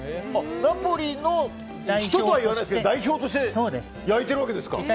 ナポリの人とはいわないですが代表として焼いてるわけですか。